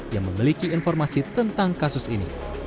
yang memiliki informasi tentang kasus ini